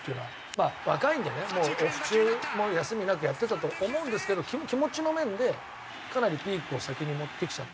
まあ若いんでねもうオフ中も休みなくやってたと思うんですけど気持ちの面でかなりピークを先に持ってきちゃって。